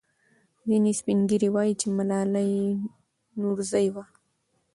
ځینې سپین ږیري وایي چې ملالۍ نورزۍ وه.